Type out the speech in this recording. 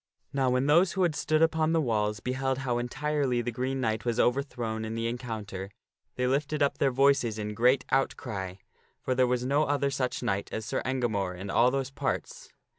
Now when those who had stood upon the walls beheld how entirely the Green Knight was overthrown in the encounter, they lifted up their voices in great outcry ; for there was no other such knight as Sir Engamore in all those parts.